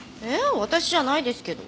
私じゃないですけど。